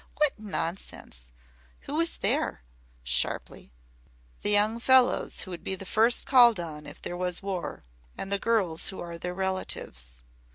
What nonsense! Who was there?" sharply. "The young fellows who would be first called on if there was war. And the girls who are their relatives.